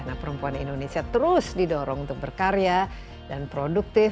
nah perempuan indonesia terus didorong untuk berkarya dan produktif